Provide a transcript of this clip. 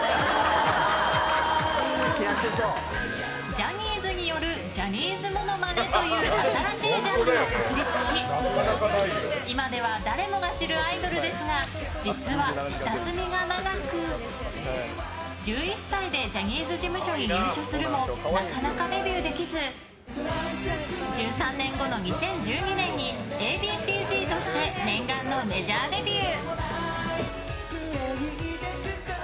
ジャニーズによるジャニーズモノマネという新しいジャンルを確立し今では誰もが知るアイドルですが実は下積みが長く１１歳でジャニーズ事務所に入所するもなかなかデビューできず１３年後の２０１２年にＡ．Ｂ．Ｃ‐Ｚとして念願のメジャーデビュー。